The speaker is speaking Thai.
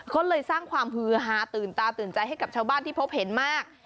ก็เลยสร้างความฮือฮาตื่นตาตื่นใจให้กับชาวบ้านที่พบเห็นมาก